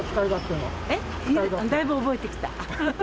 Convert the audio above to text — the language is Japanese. だいぶ覚えてきた。